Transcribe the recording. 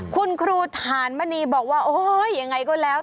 คุณครูฐานมณีบอกว่าโอ๊ยยังไงก็แล้ว